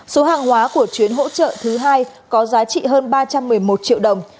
số hàng hóa của chuyến hỗ trợ thứ hai có giá trị hơn ba trăm một mươi một triệu đồng